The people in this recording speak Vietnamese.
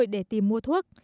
để tìm mua thuốc